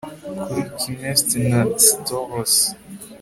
Kuri citherns na citoles